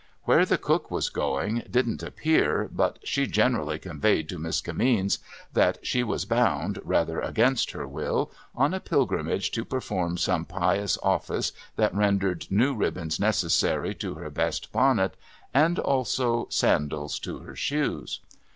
Where the cook was going, didn't appear, but she generally conveyed to Miss Kimmeens that she was bound, rather against her will, on a pilgrimage to perform some pious office that rendered new ribbons necessary to her best bonnet, and also sandals to her shoes.